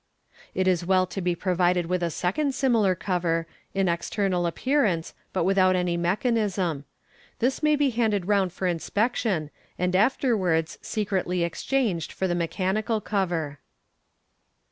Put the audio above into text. It is well to be provided with a second cover similar in externa! Fig. i 88. appearance, but without any mechanism. This may be handed round for inspection, and afterwards secretly exchanged for the mechanicj? cover.